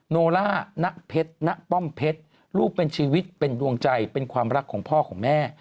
โนล่าณเพชรณป้อมเพชรลูกเป็นชีวิตเป็นดวงใจเป็นความรักของพ่อของแม่